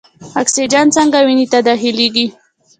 اکسیجن څنګه وینې ته داخلیږي؟